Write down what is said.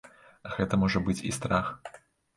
Гэта можа быць і страх.